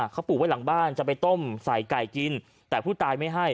เขาปลูกไว้หลังบ้านจะไปต้มใส่ไก่กินแต่ผู้ตายไม่ให้